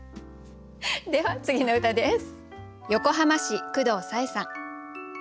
では次の歌です。